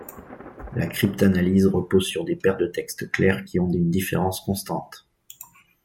La cryptanalyse repose sur des paires de textes clairs qui ont une différence constante.